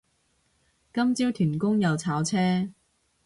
今朝屯公又炒車